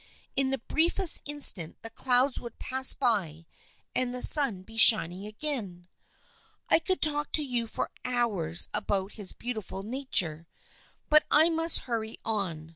In the briefest in stant the clouds would pass by and the sun be shining again. I could talk to you for hours about his beautiful nature, but I must hurry on.